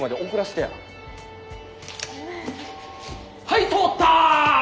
はい通った！